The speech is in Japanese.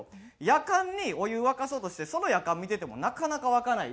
やかんにお湯沸かそうとしてそのやかん見ててもなかなか沸かない。